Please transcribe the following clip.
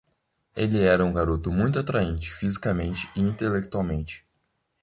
Ele era um garoto muito atraente, fisicamente e intelectualmente.